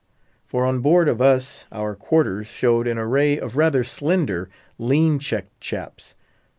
For on board of us our "quarters" showed an array of rather slender, lean checked chaps.